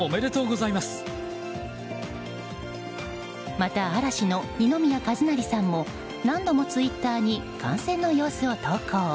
また、嵐の二宮和也さんも何度もツイッターに観戦の様子を投稿。